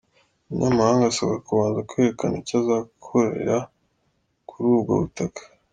Umunyamahanga asabwa kubanza kwerekana icyo azakorera kuri ubwo butaka.